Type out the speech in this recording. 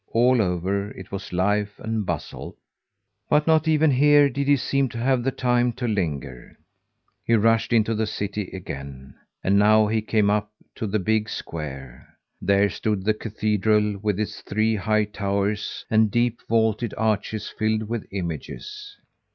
All over, it was life and bustle. But not even here did he seem to have the time to linger. He rushed into the city again; and now he came up to the big square. There stood the cathedral with its three high towers and deep vaulted arches filled with images.